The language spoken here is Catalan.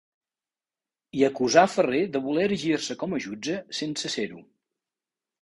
I acusà Ferrer de voler erigir-se com a jutge sense ser-ho.